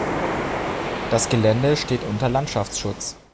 Das Gelände steht unter Landschaftsschutz.